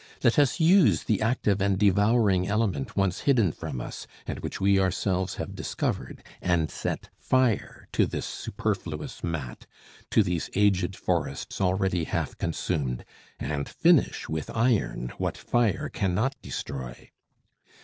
Let us use the active and devouring element once hidden from us, and which we ourselves have discovered; and set fire to this superfluous mat, to these aged forests already half consumed, and finish with iron what fire cannot destroy!